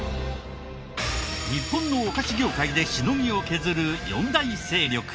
日本のお菓子業界でしのぎを削る四大勢力。